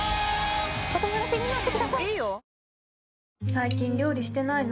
最近料理してないの？